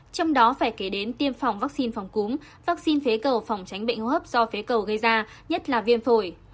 trong đó phải kể đến tiêm phòng vaccine phòng cúm vaccine phế cầu phòng tránh bệnh hô hấp do phế cầu gây ra nhất là viêm phổi